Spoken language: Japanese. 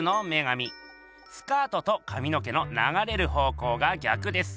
スカートとかみの毛のながれる方向が逆です。